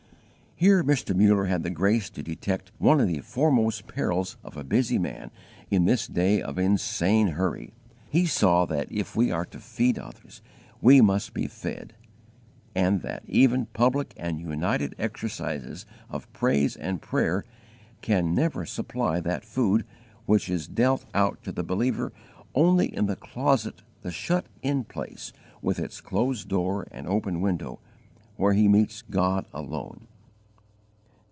Here Mr. Muller had the grace to detect one of the foremost perils of a busy man in this day of insane hurry. He saw that if we are to feed others we must be fed; and that even public and united exercises of praise and prayer can never supply that food which is dealt out to the believer only in the closet the shut in place with its closed door and open window, where he meets God alone.